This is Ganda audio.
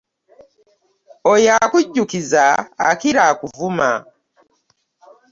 Oyo akujjukiza akira akuvuma .